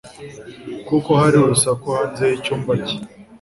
kuko hari urusaku hanze yicyumba cye